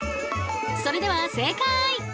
それでは正解！